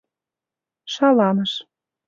Шаланыш.